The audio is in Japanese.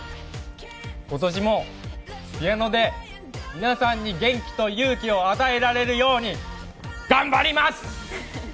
今年もピアノで皆さんに元気と勇気を与えられるように頑張ります！